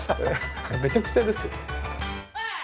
めちゃくちゃですよ。